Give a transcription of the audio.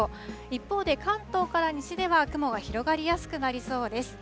一方で、関東から西では、雲が広がりやすくなりそうです。